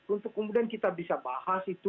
untuk kemudian kita bisa bahas itu